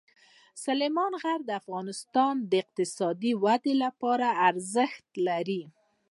سلیمان غر د افغانستان د اقتصادي ودې لپاره ارزښت لري.